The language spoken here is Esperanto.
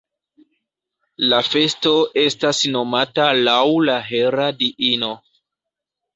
La festo estas nomata laŭ la Hera diino.